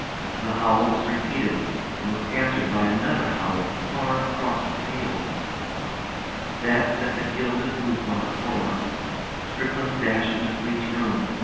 The howl was repeated, and was answered by another howl far across the fields. That set the gilded roof on the horror. Strickland dashed into Fleete's room.